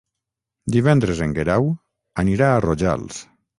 Divendres en Guerau anirà a Rojals.